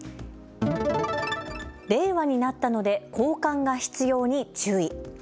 令和になったので交換が必要に注意。